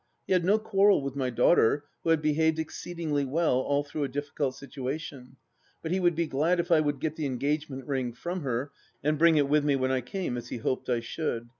He had no quarrel with my daughter, who had behaved exceedingly well all through a difficult situation, but he would be glad if I would get the engagement ring from her and bring it with me when I came, as he hoped I should.